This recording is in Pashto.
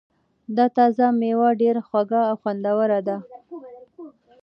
دا تازه مېوه ډېره خوږه او خوندوره ده.